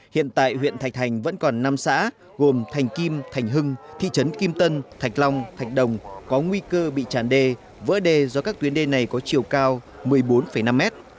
hiện tại huyện thạch thành vẫn còn năm xã gồm thành kim thành hưng thị trấn kim tân thạch long thạch đồng có nguy cơ bị tràn đê vỡ đê do các tuyến đê này có chiều cao một mươi bốn năm mét